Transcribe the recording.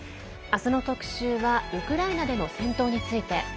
明日の特集はウクライナでの戦闘について。